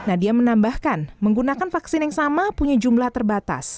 nadia menambahkan menggunakan vaksin yang sama punya jumlah terbatas